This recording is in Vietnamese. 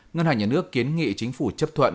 ngân hàng nhà nước kiến nghị chính phủ chấp thuận